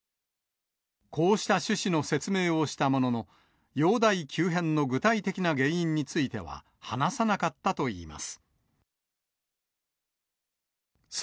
こうした趣旨の説明をしたものの、容体急変の具体的な原因については、話さなかったといいます。